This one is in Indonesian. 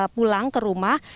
pulang ke rumah